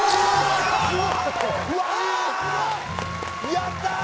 やったー！